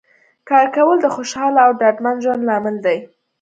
کار کول د خوشحاله او ډاډمن ژوند لامل دی